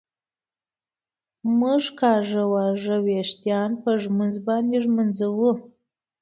مونږ کاږه واږه وېښتان په ږمونځ باندي ږمنځوو